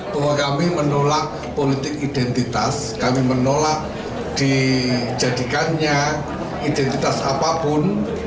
bahwa kami menolak politik identitas kami menolak dijadikannya identitas apapun